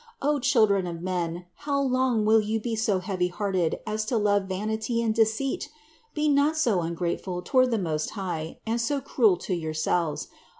O children of men, how long will you be so heavy hearted as to love vanity and deceit? Be THE INCARNATION 501 not so ungrateful toward the Most High and so cruel to yourselves.